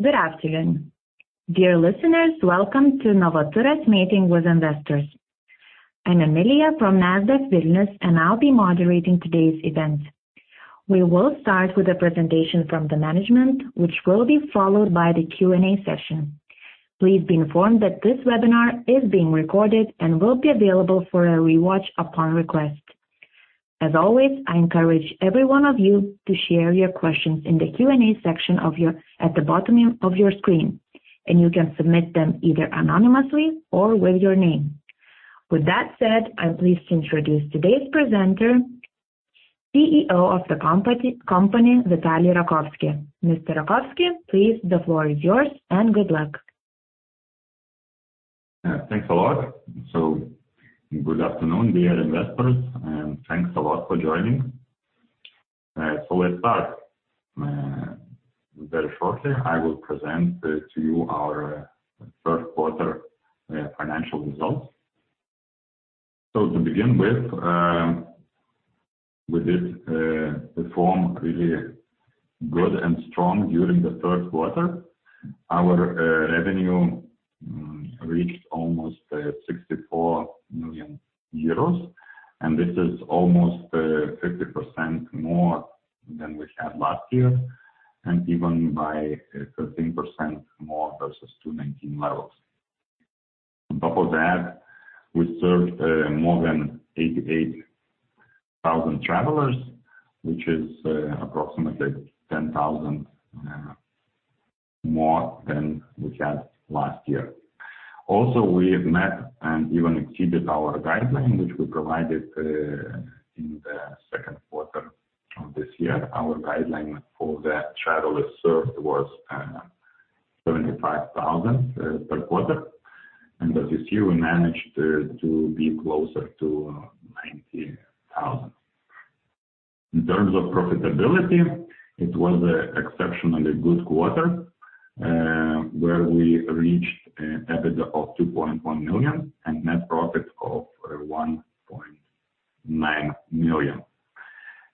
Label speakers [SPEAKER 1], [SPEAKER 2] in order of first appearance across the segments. [SPEAKER 1] Good afternoon. Dear listeners, welcome to Novaturas Meeting with Investors. I'm Amelia from Nasdaq Vilnius, and I'll be moderating today's event. We will start with a presentation from the management, which will be followed by the Q&A session. Please be informed that this webinar is being recorded and will be available for a rewatch upon request. As always, I encourage every one of you to share your questions in the Q&A section at the bottom of your screen, and you can submit them either anonymously or with your name. With that said, I'm pleased to introduce today's presenter, CEO of the company, Vitalij Rakovski. Mr. Rakovski, please, the floor is yours, and good luck.
[SPEAKER 2] Thanks a lot. Good afternoon, dear investors, and thanks a lot for joining. Let's start. Very shortly, I will present to you our third quarter financial results. To begin with, we did perform really good and strong during the third quarter. Our revenue reached almost 64 million euros, and this is almost 50% more than we had last year and even by 13% more versus 2019 levels. On top of that, we served more than 88,000 travelers, which is approximately 10,000 more than we had last year. Also, we have met and even exceeded our guideline, which we provided in the second quarter of this year. Our guideline for the travelers served was 75,000 per quarter, and as you see, we managed to be closer to 90,000. In terms of profitability, it was an exceptionally good quarter where we reached an EBITDA of 2.1 million and net profit of 1.9 million.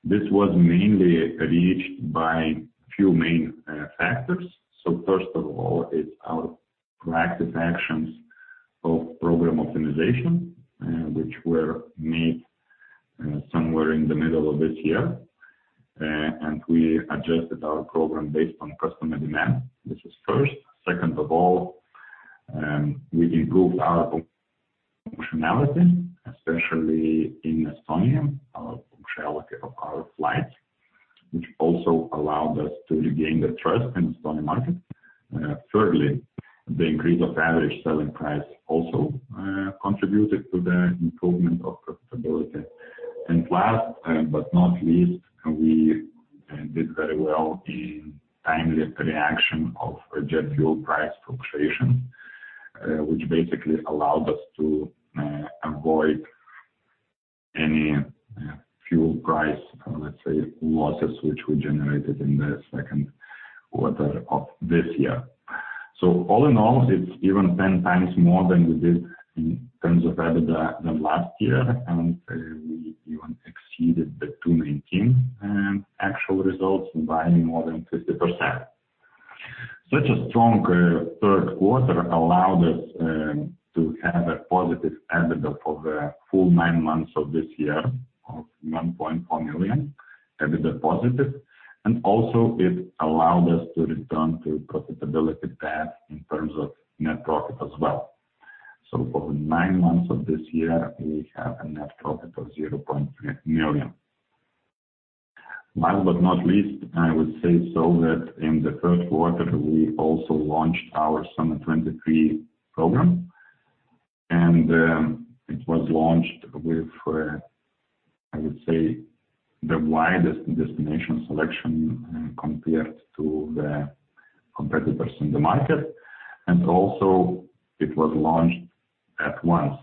[SPEAKER 2] This was mainly reached by few main factors. First of all is our proactive actions of program optimization which were made somewhere in the middle of this year. We adjusted our program based on customer demand. This is first. Second of all, we improved, especially in Estonia, our functionality of our flights, which also allowed us to regain the trust in Estonian market. Thirdly, the increase of average selling price also contributed to the improvement of profitability. Last but not least, we did very well in timely reaction of jet fuel price fluctuations, which basically allowed us to avoid any fuel price, let's say, losses which we generated in the second quarter of this year. All in all, it's even 10 times more than we did in terms of EBITDA than last year, and we even exceeded the 2019 actual results by more than 50%. Such a strong third quarter allowed us to have a positive EBITDA for the full nine months of this year of 1.4 million EBITDA positive. Also it allowed us to return to profitability path in terms of net profit as well. For the nine months of this year, we have a net profit of 0.3 million. Last but not least, I would say so that in the first quarter we also launched our Summer 2023 program. It was launched with, I would say, the widest destination selection compared to the competitors in the market. Also it was launched at once.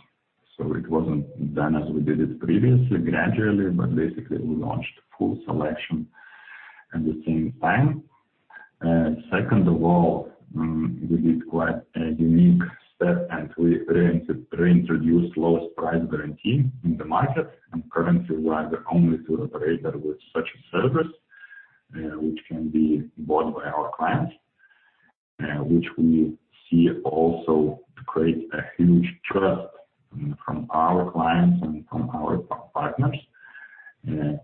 [SPEAKER 2] It wasn't done as we did it previously, gradually, but basically we launched full selection at the same time. Second of all, we did quite a unique step, and we reintroduced lowest price guarantee in the market, and currently we are the only tour operator with such a service which can be bought by our clients. Which we see also to create a huge trust from our clients and from our partners,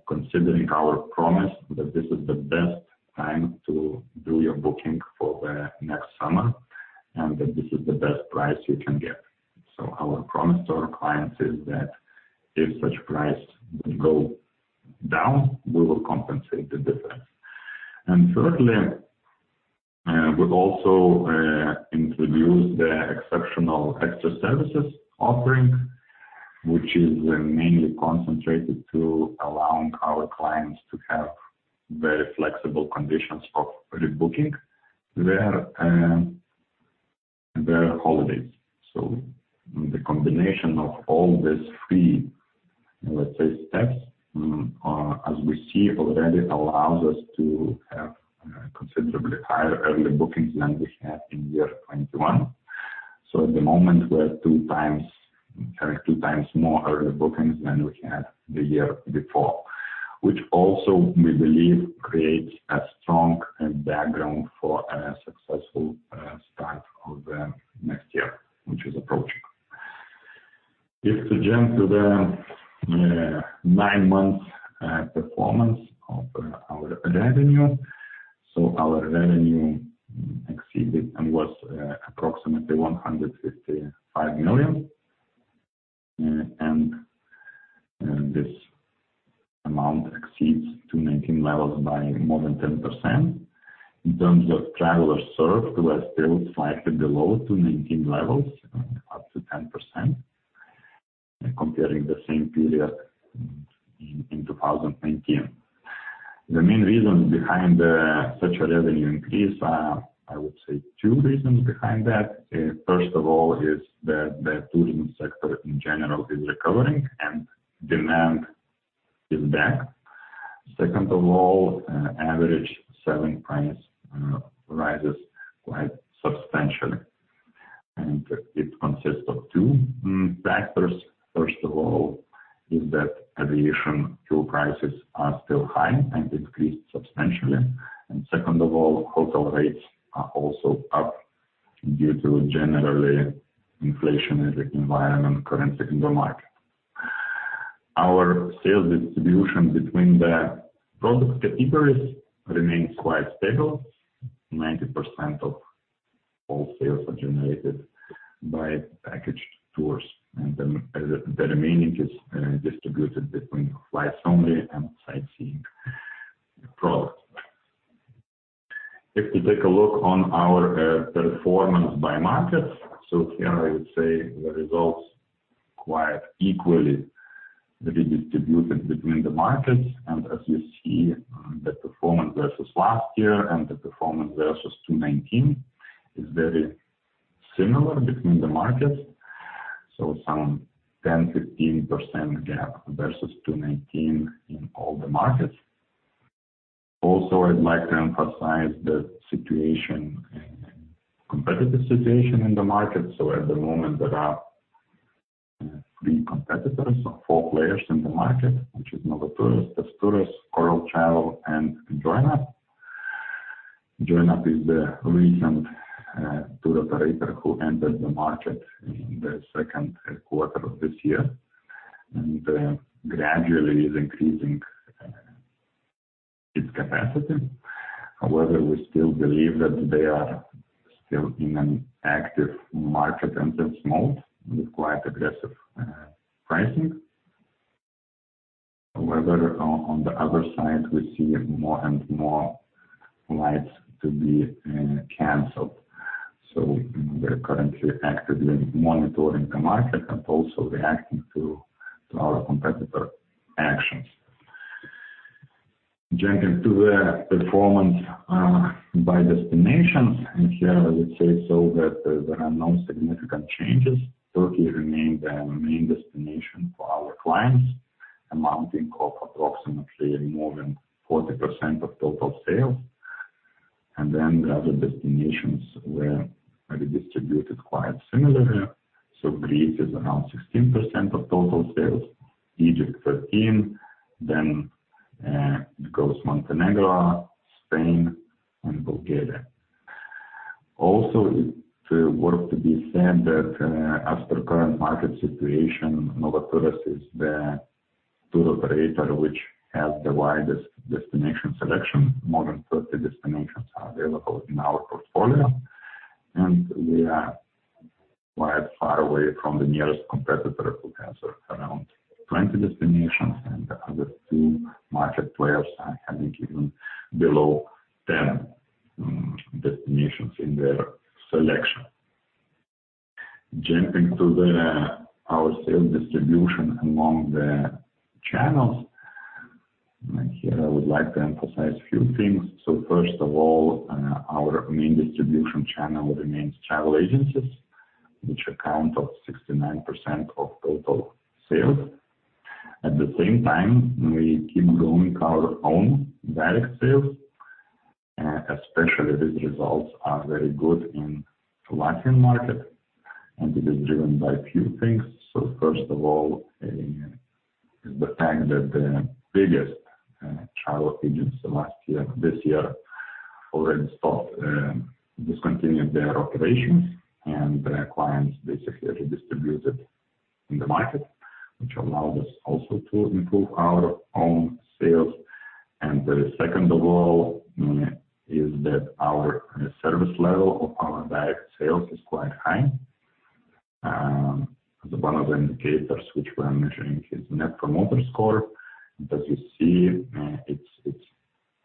[SPEAKER 2] considering our promise that this is the best time to do your booking for the next summer and that this is the best price you can get. Our promise to our clients is that if such price will go down, we will compensate the difference. Thirdly, we also introduced the exceptional extra services offering, which is mainly concentrated to allowing our clients to have very flexible conditions for rebooking their holidays. The combination of all these three, let's say, steps, as we see already allows us to have considerably higher early bookings than we had in year 2021. At the moment, we are two times more early bookings than we had the year before, which also, we believe, creates a strong background for a successful start of the next year, which is approaching. If to jump to the nine-month performance of our revenue, our revenue exceeded and was approximately 155 million. This amount exceeds 2019 levels by more than 10%. In terms of travelers served, we're still slightly below 2019 levels, up to 10%, comparing the same period in 2019. The main reasons behind such a revenue increase are, I would say two reasons behind that. First of all, is that the tourism sector in general is recovering and demand is back. Second of all, average selling price rises quite substantially. It consists of two factors. First of all, is that aviation fuel prices are still high and increased substantially. Second of all, hotel rates are also up due to generally inflationary environment currently in the market. Our sales distribution between the product categories remains quite stable. 90% of all sales are generated by package tours, and the remaining is distributed between flights only and sightseeing products. If you take a look on our performance by market. Here I would say the results quite equally redistributed between the markets. As you see, the performance versus last year and the performance versus 2019 is very similar between the markets. Some 10%-15% gap versus 2019 in all the markets. Also, I'd like to emphasize the situation and competitive situation in the market. At the moment, there are three competitors or four players in the market, which is Novaturas, Tez Tour, Coral Travel, and Join UP!. Join UP! is the recent tour operator who entered the market in the second quarter of this year, and gradually is increasing its capacity. However, we still believe that they are still in an active market entrance mode with quite aggressive pricing. However, on the other side, we see more and more flights to be canceled. We're currently actively monitoring the market and also reacting to our competitor actions. Jumping to the performance by destinations. Here I would say so that there are no significant changes. Turkey remained the main destination for our clients, amounting of approximately more than 40% of total sales. The other destinations were redistributed quite similarly. Greece is around 16% of total sales, Egypt 13%, then it goes Montenegro, Spain, and Bulgaria. Also it worth to be said that, as per current market situation, Novaturas is the tour operator which has the widest destination selection. More than 30 destinations are available in our portfolio. We are quite far away from the nearest competitor who has around 20 destinations, and the other two market players are having even below 10 destinations in their selection. Jumping to our sales distribution among the channels. Here, I would like to emphasize a few things. First of all, our main distribution channel remains travel agencies, which account of 69% of total sales. At the same time, we keep growing our own direct sales, especially these results are very good in Latvian market, and it is driven by a few things. First of all, the fact that the biggest travel agents this year already stopped, discontinued their operations. The clients basically redistributed in the market, which allowed us also to improve our own sales. The second of all is that our service level of our direct sales is quite high. One of the indicators which we're measuring is Net Promoter Score. As you see, it's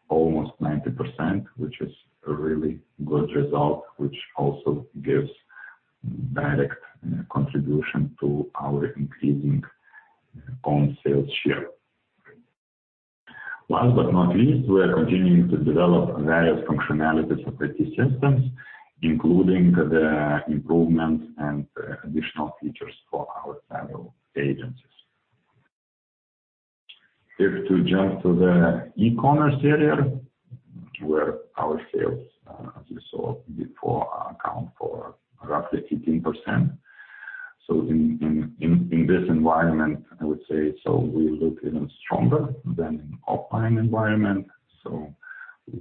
[SPEAKER 2] almost 90%, which is a really good result, which also gives direct contribution to our increasing own sales share. Last but not least, we are continuing to develop various functionalities of I.T. systems, including the improvements and additional features for our travel agencies. If to jump to the e-commerce area, where our sales, as you saw before, account for roughly 18%. In this environment, I would say, so we look even stronger than in offline environment.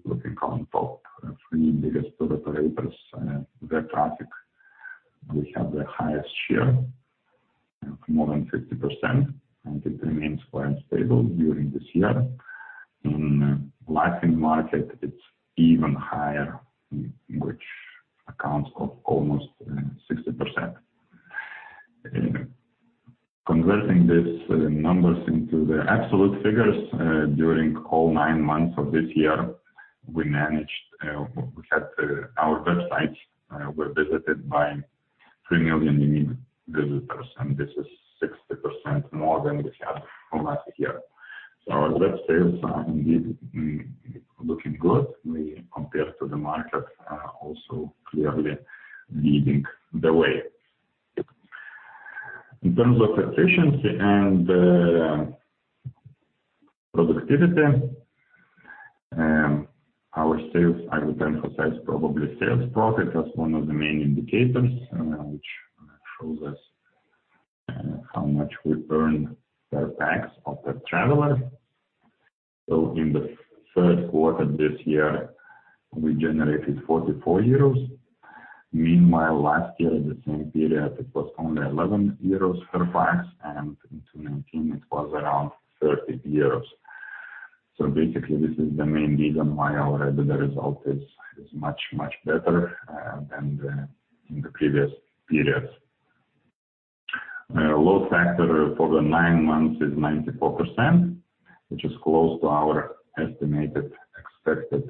[SPEAKER 2] Looking current top three biggest tour operators, their traffic, we have the highest share of more than 50% and it remains quite stable during this year. In Latvian market, it's even higher, which accounts of almost 60%. Converting these numbers into the absolute figures, during all nine months of this year, our websites were visited by 3 million unique visitors, and this is 60% more than we had from last year. Our web sales are indeed looking good. We compared to the market also clearly leading the way. In terms of efficiency and productivity, our sales, I would emphasize probably sales profit as one of the main indicators which shows us how much we earn per pax of the traveler. In the third quarter this year, we generated 44 euros. Meanwhile, last year, the same period, it was only 11 euros per pax, and in 2019 it was around 13 euros. Basically, this is the main reason why already the result is much better than in the previous periods. Load factor for the nine months is 94%, which is close to our estimated expected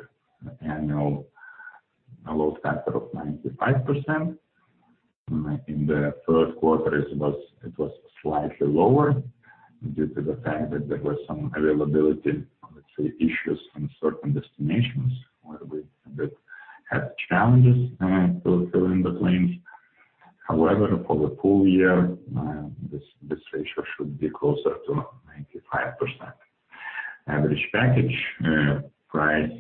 [SPEAKER 2] annual load factor of 95%. In the third quarter, it was slightly lower due to the fact that there were some availability, let's say, issues in certain destinations where we did have challenges to filling the planes. However, for the full year, this ratio should be closer to 95%. Average package price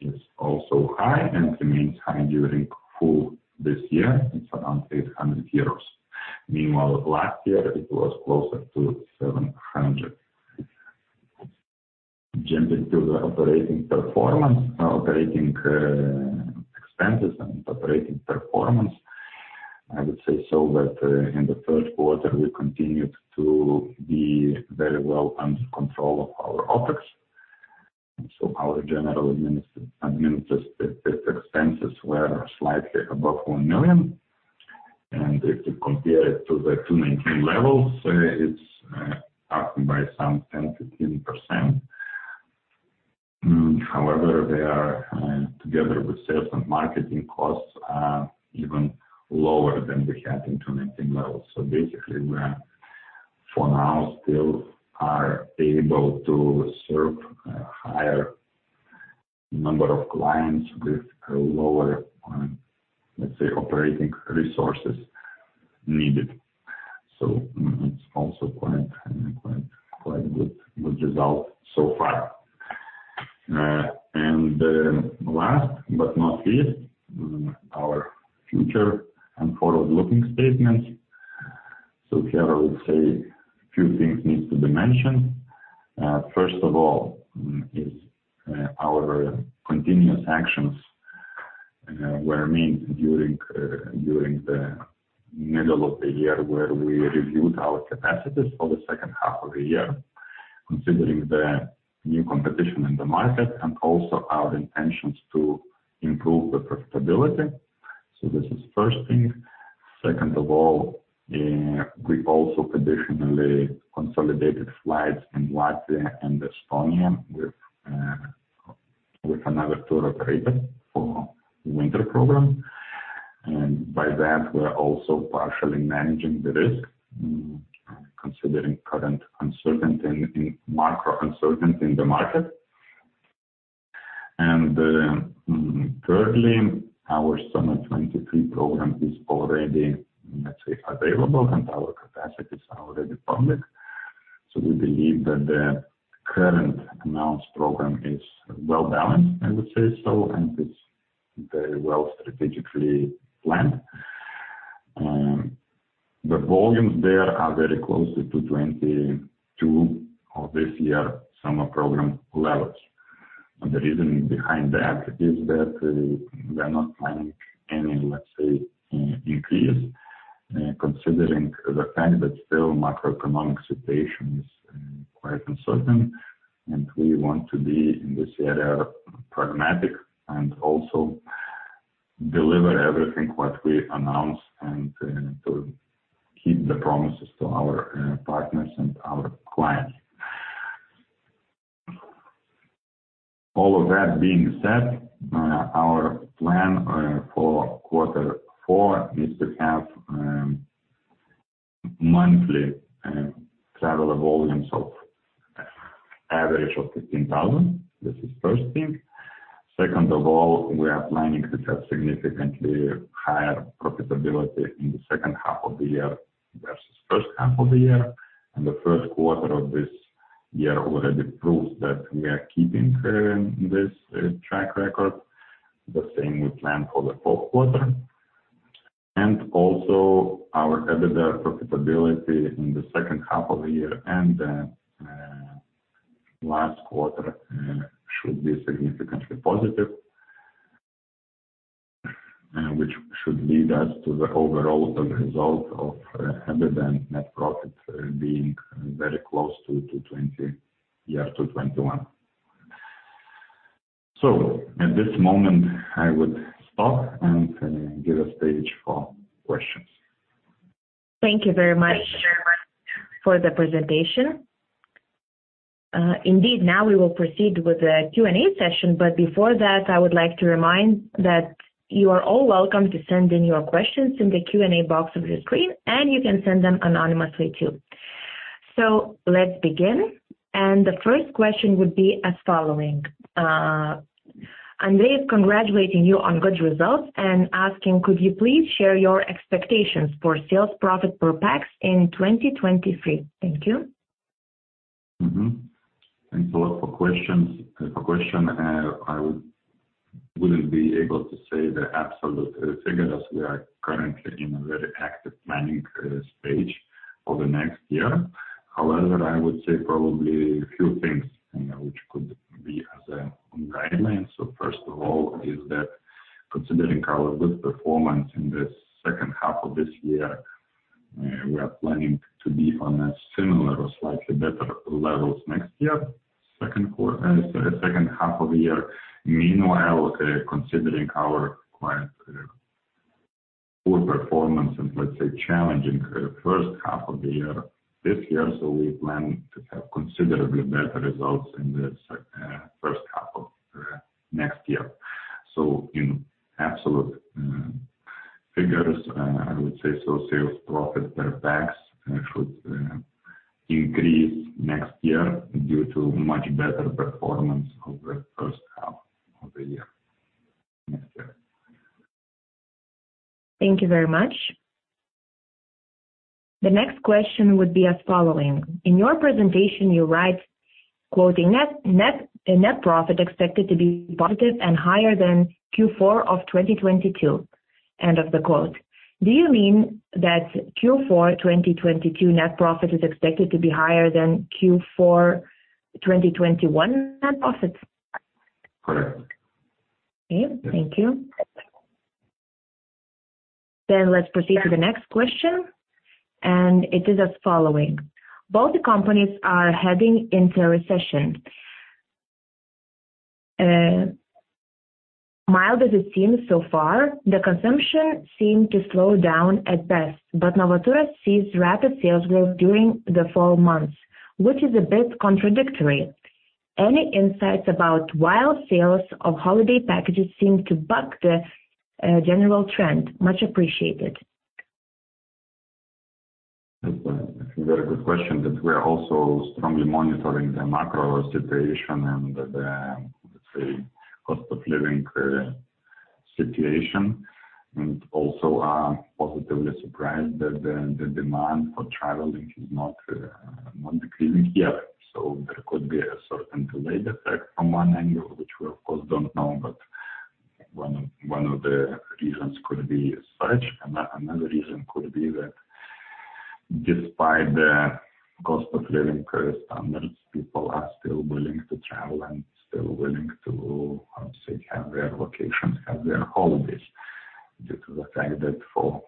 [SPEAKER 2] is also high and remains high during full this year. It's around 800 euros. Meanwhile, last year it was closer to 700. Jumping to the operating performance. Operating expenses and operating performance. I would say so that, in the third quarter, we continued to be very well under control of our OpEx. Our general administrative expenses were slightly above 1 million. If you compare it to the 2019 levels, it's up by some 10%-15%. However, they, together with sales and marketing costs, are even lower than we had in 2019 levels. Basically, we're for now still able to serve a higher number of clients with a lower, let's say, operating resources needed. It's also quite good result so far. Last but not least, our future and forward-looking statements. Here I would say few things needs to be mentioned. First of all, is our continuous actions were made during the middle of the year, where we reviewed our capacities for the second half of the year, considering the new competition in the market and also our intentions to improve the profitability. This is first thing. Second of all, we've also conditionally consolidated flights in Latvia and Estonia with another tour operator for winter program. By that, we're also partially managing the risk, considering current macro uncertainty in the market. Thirdly, our summer 2023 program is already, let's say, available and our capacities are already public. We believe that the current announced program is well-balanced, I would say so, and it's very well strategically planned. The volumes there are very closely to 2022 of this year summer program levels. The reason behind that is that we are not planning any, let's say, increase, considering the fact that still macroeconomic situation is quite uncertain, and we want to be in this area pragmatic and also deliver everything what we announce and to keep the promises to our partners and our clients. All of that being said, our plan for quarter four is to have monthly traveler volumes of average of 15,000. This is first thing. Second of all, we are planning to have significantly higher profitability in the second half of the year versus first half of the year. The first quarter of this year already proves that we are keeping this track record. The same we plan for the fourth quarter. Also our EBITDA profitability in the second half of the year and last quarter should be significantly positive. Which should lead us to the overall result of EBITDA net profit being very close to 2020 year to 2021. At this moment I would stop and give a stage for questions.
[SPEAKER 1] Thank you very much, Vitalij, for the presentation. Indeed, now we will proceed with the Q&A session, but before that, I would like to remind that you are all welcome to send in your questions in the Q&A box of your screen, and you can send them anonymously too. Let's begin. The first question would be as following. Andre is congratulating you on good results and asking, "Could you please share your expectations for sales profit per pax in 2023?" Thank you.
[SPEAKER 2] Mm-hmm. Thanks a lot for questions. For question, I wouldn't be able to say the absolute figure, as we are currently in a very active planning stage for the next year. However, I would say probably a few things which could be as a guideline. First of all is that considering our good performance in the second half of this year, we are planning to be on a similar or slightly better levels next year, second half of the year. Meanwhile, considering our quite poor performance and let's say challenging first half of the year this year, so we plan to have considerably better results in the first half of next year. In absolute figures, I would say sales profit per pax should increase next year due to much better performance over the first half of the year, next year.
[SPEAKER 1] Thank you very much. The next question would be as following. In your presentation, you write, "Net profit expected to be positive and higher than Q4 of 2022." Do you mean that Q4 2022 net profit is expected to be higher than Q4 2021 net profits?
[SPEAKER 2] Correct.
[SPEAKER 1] Okay. Thank you. Let's proceed to the next question, and it is as following. Both companies are heading into a recession. Mild as it seems so far, the consumption seem to slow down at best. Novaturas sees rapid sales growth during the fall months, which is a bit contradictory. Any insights about why sales of holiday packages seem to buck the general trend? Much appreciated.
[SPEAKER 2] That's a very good question, that we are also strongly monitoring the macro situation and the, let's say, cost of living situation, and also are positively surprised that the demand for traveling is not decreasing yet. There could be a certain delayed effect from one angle, which we of course don't know, but one of the reasons could be as such. Another reason could be that despite the cost of living current standards, people are still willing to travel and still willing to, how to say, have their vacations, have their holidays due to the fact that for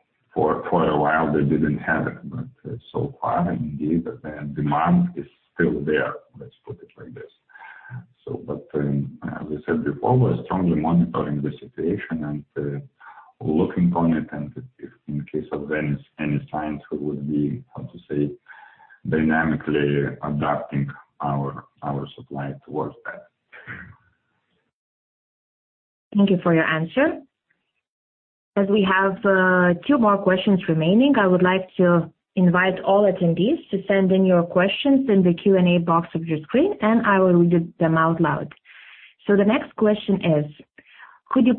[SPEAKER 2] a while they didn't have it. So far, indeed, the demand is still there, let's put it like this. As I said before, we're strongly monitoring the situation and looking on it, and if in case of any signs, we would be, how to say, dynamically adapting our supply towards that.
[SPEAKER 1] Thank you for your answer. As we have two more questions remaining, I would like to invite all attendees to send in your questions in the Q&A box of your screen, and I will read them out loud. The next question is: Could you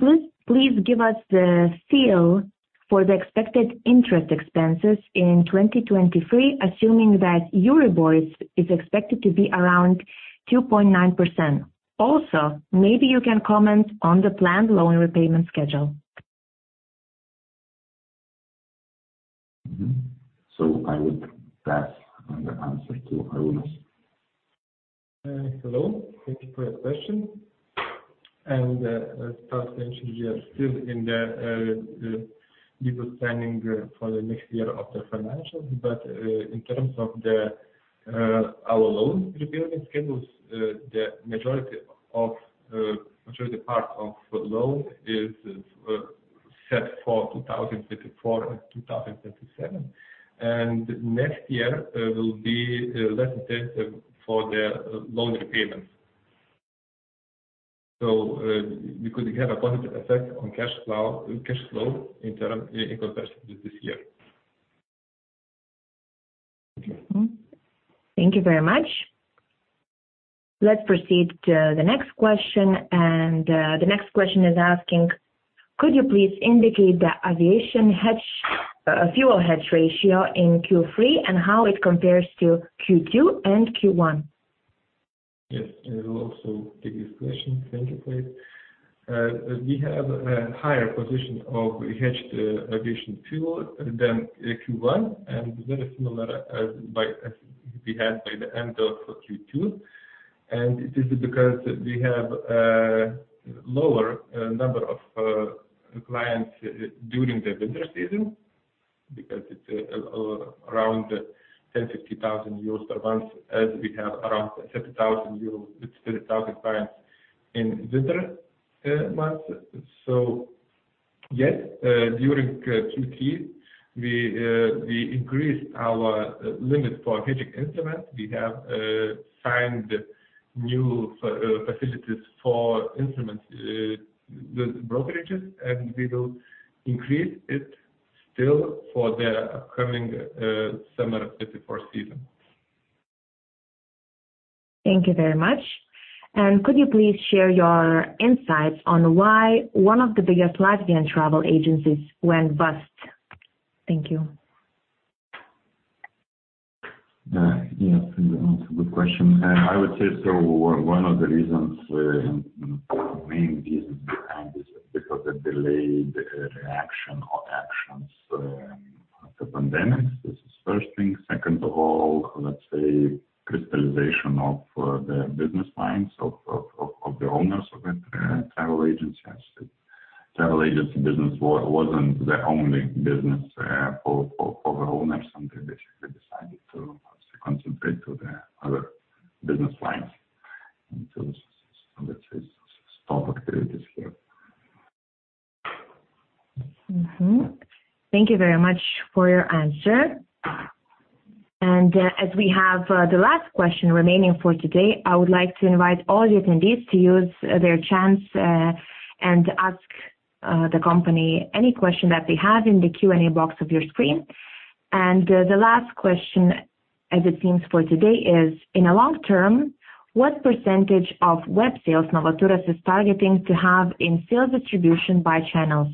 [SPEAKER 1] please give us the feel for the expected interest expenses in 2023, assuming that Euribor is expected to be around 2.9%? Also, maybe you can comment on the planned loan repayment schedule.
[SPEAKER 2] I would pass the answer to Arūnas.
[SPEAKER 3] Hello. Thank you for your question. As Vitalij mentioned, we are still in the deeper planning for the next year of the financials. In terms of our loan repayment schedules, the majority part of loan is set for 2034 and 2037, and next year will be less intense for the loan repayments. We could have a positive effect on cash flow in term in comparison to this year.
[SPEAKER 1] Thank you very much. Let's proceed to the next question. The next question is asking, could you please indicate the fuel hedge ratio in Q3 and how it compares to Q2 and Q1?
[SPEAKER 3] Yes. I will also take this question. Thank you for it. We have a higher position of hedged aviation fuel than Q1 and very similar as we had by the end of Q2. It is because we have lower number of clients during the winter season because it's around 10 to 50 thousand clients per month as we have around 30,000 clients in winter months. Yes, during Q3, we increased our limit for hedging instrument. We have signed new facilities for instruments, the brokerages, and we will increase it still for the upcoming summer 23 season.
[SPEAKER 1] Thank you very much. Could you please share your insights on why one of the biggest Latvian travel agencies went bust? Thank you.
[SPEAKER 2] Yes. Good question. I would say one of the reasons and main reasons behind this is because of delayed reaction or actions of the pandemic. This is first thing. Second of all, let's say crystallization of the business minds of the owners of the travel agency. Travel agency business wasn't their only business for the owners, and they basically decided to concentrate to the other business lines. Let's say stop activities here.
[SPEAKER 1] Mm-hmm. Thank you very much for your answer. As we have the last question remaining for today, I would like to invite all the attendees to use their chance and ask the company any question that they have in the Q&A box of your screen. The last question, as it seems for today, is, in a long term, what % of web sales Novaturas is targeting to have in sales distribution by channels?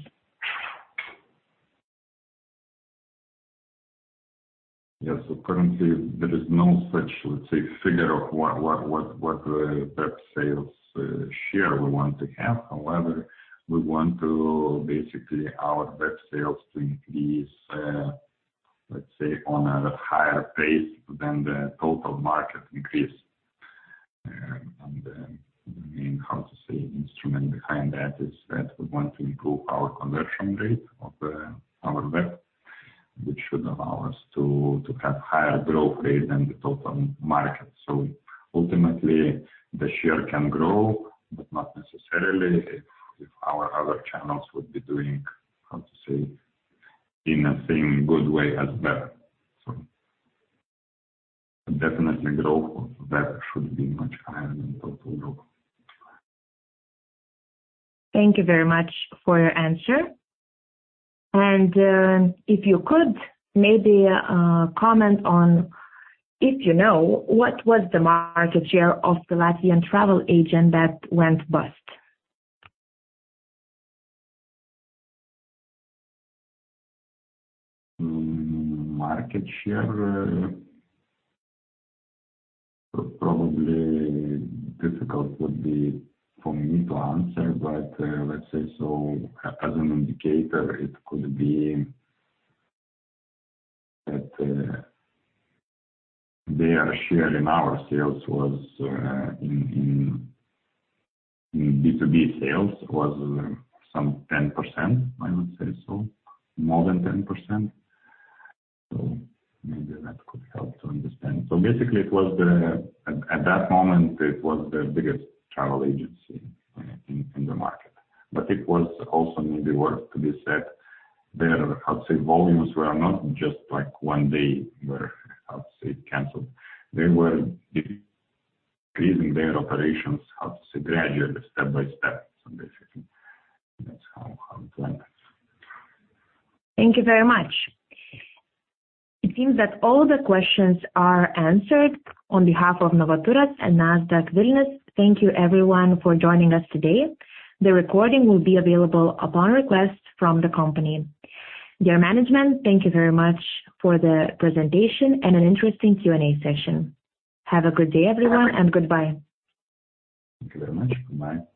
[SPEAKER 2] Yes. Currently there is no such, let's say, figure of what web sales share we want to have. However, we want to basically our web sales to increase, let's say, on a higher pace than the total market increase. I mean, how to say, instrument behind that is that we want to improve our conversion rate of our web, which should allow us to have higher growth rate than the total market. Ultimately the share can grow, but not necessarily if our other channels would be doing, how to say, in a same good way as web. Definitely growth of web should be much higher than total growth.
[SPEAKER 1] Thank you very much for your answer. If you could maybe comment on, if you know, what was the market share of the Latvian travel agent that went bust?
[SPEAKER 2] Market share, probably difficult would be for me to answer. Let's say so as an indicator, it could be that their share in B2B sales was some 10%, I would say so. More than 10%. Maybe that could help to understand. At that moment, it was the biggest travel agency in the market. It was also maybe worth to be said their, how to say, volumes were not just like one day were, how to say, canceled. They were decreasing their operations, how to say, gradually, step by step. Basically that's how it went.
[SPEAKER 1] Thank you very much. It seems that all the questions are answered. On behalf of Novaturas and Nasdaq Vilnius, thank you everyone for joining us today. The recording will be available upon request from the company. Dear Management, thank you very much for the presentation and an interesting Q&A session. Have a good day, everyone, and goodbye.
[SPEAKER 2] Thank you very much. Goodbye.